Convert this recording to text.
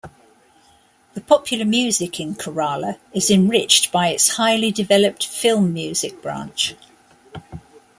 The popular music in Kerala is enriched by its highly developed film music branch.